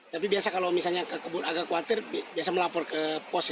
tapi biasa kalau misalnya ke kebun agak khawatir biasa melapor ke pos